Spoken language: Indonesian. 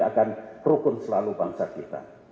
akan rukun selalu bangsa kita